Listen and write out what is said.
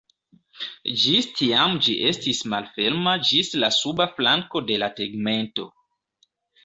Ĝis tiam ĝi estis malferma ĝis la suba flanko de la tegmento.